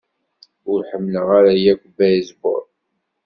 Ur ḥemmleɣ ara yakk baseball.